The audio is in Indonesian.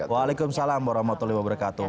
waalaikumsalam warahmatullahi wabarakatuh